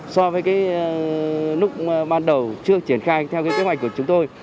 so với cái lúc ban đầu trước triển khai theo kế hoạch của chúng tôi